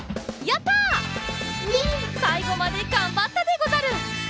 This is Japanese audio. さいごまでがんばったでござる！